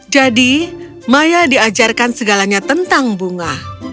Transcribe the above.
jadi maya diajarkan segalanya tentang bunga